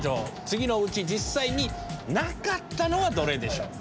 次のうち実際になかったのはどれでしょう？